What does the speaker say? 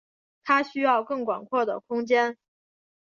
他需要更广阔的空间。